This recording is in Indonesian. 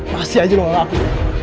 masih aja lo ngaku